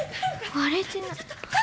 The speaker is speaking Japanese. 割れてない。